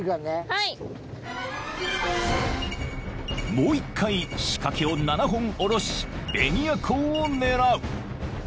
［もう１回仕掛けを７本下ろしベニアコウを狙う］